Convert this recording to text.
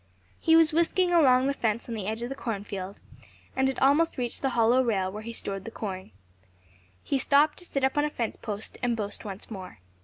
He was whisking along the fence on the edge of the cornfield and had almost reached the hollow rail where he had stored the corn. He stopped to sit up on a fence post and boast once more.